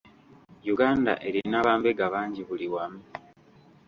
Uganda erina ba mbega bangi buli wamu.